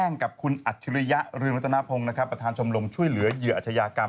แน่งกับคุณอัธิริยรึงรัฐนาพงศ์ประธานชมรมช่วยเหลือเหยื่ออัชยากรรม